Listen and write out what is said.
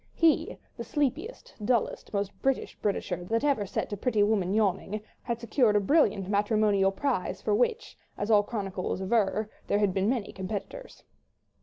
He, the sleepiest, dullest, most British Britisher that had ever set a pretty woman yawning, had secured a brilliant matrimonial prize for which, as all chroniclers aver, there had been many competitors.